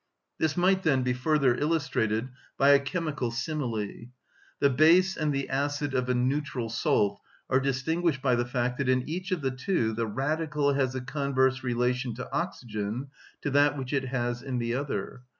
This might, then, be further illustrated by a chemical simile: the base and the acid of a neutral salt are distinguished by the fact that in each of the two the radical has the converse relation to oxygen to that which it has in the other.